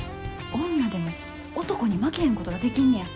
女でも男に負けへんことができんねや。